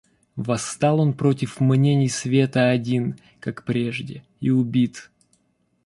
Восстал он против мнений света один, как прежде... и убит!